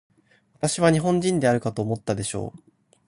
私は日本人であるかと思ったでしょう。